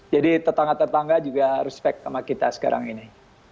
jadi tetangga tetangga juga respect sama kita sekarang ini